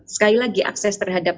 sekali lagi akses terhadap